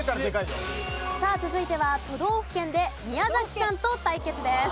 さあ続いては都道府県で宮崎さんと対決です。